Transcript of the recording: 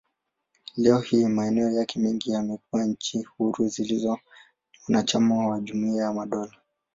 Leo hii, maeneo yake mengi yamekuwa nchi huru zilizo wanachama wa Jumuiya ya Madola.